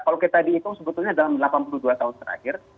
kalau kita dihitung sebetulnya dalam delapan puluh dua tahun terakhir